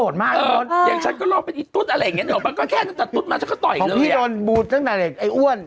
สิ่งที่โดนบูซทั้งแต่ไอกอ้อน